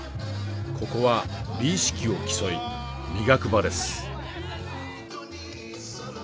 ここは美意識を競い磨く場です。